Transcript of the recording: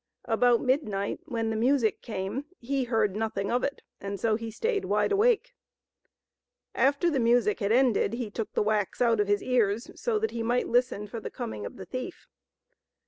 About midnight, when the music came, he heard nothing of it, and so he stayed wide awake. After the music had ended he took the wax out of his ears, so that he might listen for the coming of the thief.